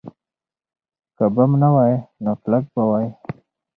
که بم نه وای، نو کلک به وای.